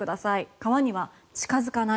川には近付かない。